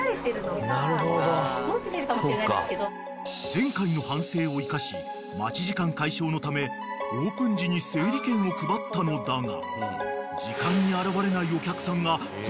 ［前回の反省を生かし待ち時間解消のためオープン時に整理券を配ったのだが時間に］